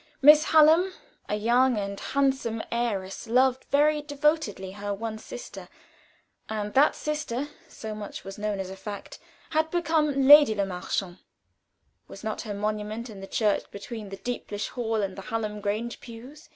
Miss Hallam, a young and handsome heiress, loved very devotedly her one sister, and that sister so much was known as a fact had become Lady Le Marchant: was not her monument in the church between the Deeplish Hall and the Hallam Grange pews?